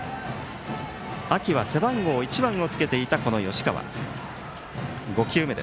秋は背番号１番をつけていた吉川。